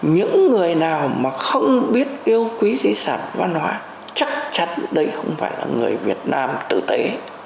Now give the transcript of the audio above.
những người nào mà không biết yêu quý di sản văn hóa chắc chắn đây không phải là người việt nam tử tế